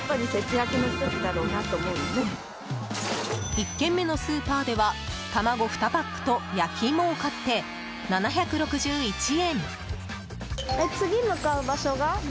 １軒目のスーパーでは卵２パックと焼き芋を買って７６１円。